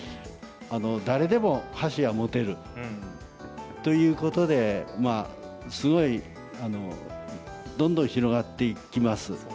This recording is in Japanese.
誰でも箸が持てるということでどんどん広がっていきます。